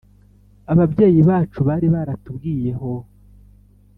ababyeyi bacu bari baratubwiyeho